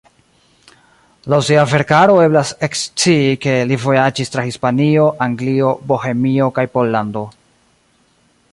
Laŭ sia verkaro eblas ekscii ke li vojaĝis tra Hispanio, Anglio, Bohemio kaj Pollando.